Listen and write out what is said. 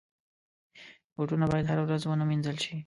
بوټونه باید هره ورځ ونه وینځل شي.